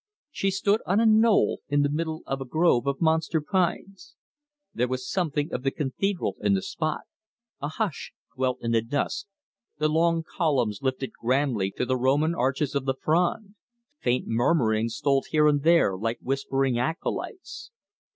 She stood on a knoll in the middle of a grove of monster pines. There was something of the cathedral in the spot. A hush dwelt in the dusk, the long columns lifted grandly to the Roman arches of the frond, faint murmurings stole here and there like whispering acolytes.